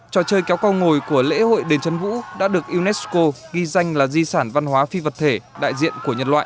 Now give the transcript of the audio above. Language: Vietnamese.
trò chơi kéo con ngồi của lễ hội đền trấn vũ đã được unesco ghi danh là di sản văn hóa phi vật thể đại diện của nhân loại